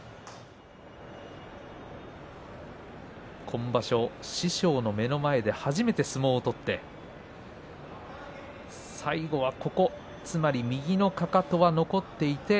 今場所、師匠の目の前で初めて相撲を取って最後は土俵際、右のかかとが残っていて